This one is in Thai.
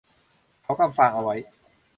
เขากำฟางเอาไว้